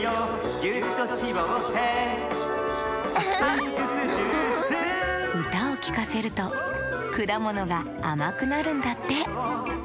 「ギュッとしぼってミックスジュース」うたをきかせるとくだものがあまくなるんだって！